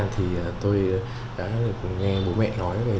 thì tôi đã nghe bố mẹ nói